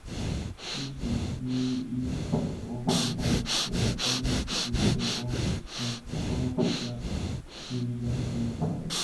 It is due east of the watershed on the edge of the Judean Desert.